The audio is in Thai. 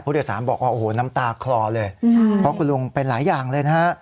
สารบอกว่าโอ้โหน้ำตาคลอเลยเพราะคุณลุงเป็นหลายอย่างเลยนะฮะ